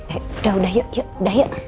eh udah udah yuk yuk yuk